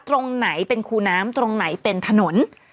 ตรงไหนเป็นคูน้ำตรงไหนเป็นถนน